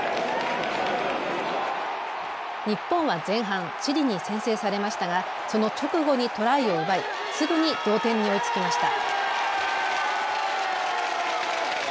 日本は前半、チリに先制されましたがその直後にトライを奪いすぐに同点に追いつきました。